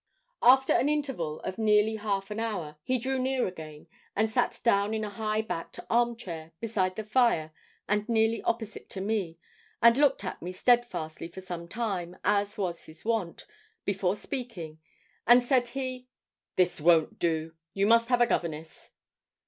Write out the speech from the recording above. After an interval of nearly half an hour, he drew near again, and sat down in a high backed arm chair, beside the fire, and nearly opposite to me, and looked at me steadfastly for some time, as was his wont, before speaking; and said he 'This won't do you must have a governess.'